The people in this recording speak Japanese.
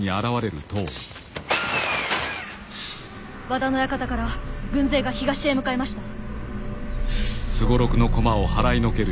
和田の館から軍勢が東へ向かいました。